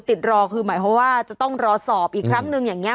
ติดรอคือหมายความว่าจะต้องรอสอบอีกครั้งนึงอย่างนี้